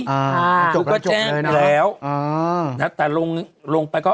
อ่าเขาก็แจ้งไปแล้วอ่านะแต่ลงลงไปก็